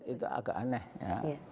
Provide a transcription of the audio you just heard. itu agak aneh ya